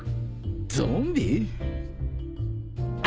ゾンビ？